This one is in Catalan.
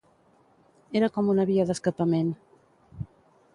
Era com una via d’escapament.